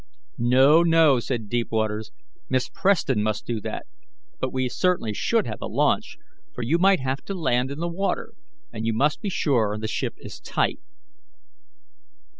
"No, no," said Deepwaters, "Miss Preston must do that; but we certainly should have a launch, for you might have to land in the water, and you must be sure the ship is tight."